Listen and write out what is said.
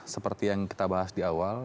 seperti yang kita bahas di awal